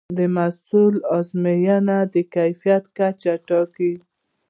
د محصول ازموینه د کیفیت کچه ټاکي.